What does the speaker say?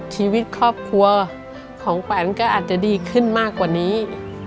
ชีวิตครอบครัวของขวัญก็อาจจะดีขึ้นมากกว่านี้